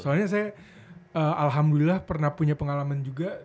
soalnya saya alhamdulillah pernah punya pengalaman juga